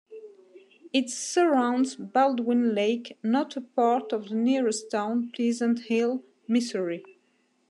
It surrounds Baldwin Lake, not a part of the nearest town, Pleasant Hill, Missouri.